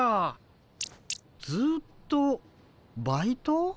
ずっとバイト？